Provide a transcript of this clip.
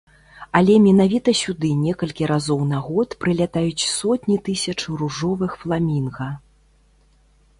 Але менавіта сюды некалькі разоў на год прылятаюць сотні тысяч ружовых фламінга.